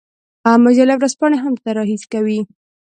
مجلې او ورځپاڼې هم طراحي کوي.